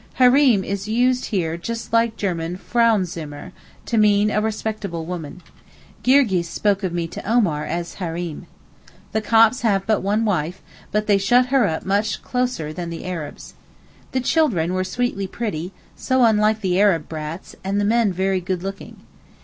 (Hareem is used here just like the German Frauenzimmer, to mean a respectable woman. Girgis spoke of me to Omar as 'Hareem.') The Copts have but one wife, but they shut her up much closer than the Arabs. The children were sweetly pretty, so unlike the Arab brats, and the men very good looking.